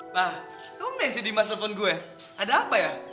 pak komen si dimas telepon gue ada apa ya